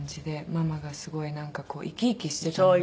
ママがすごいなんか生き生きしてたのに。